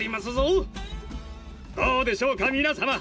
どうでしょうか皆様！